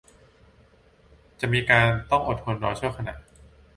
จะมีการต้องอดทนรอชั่วขณะ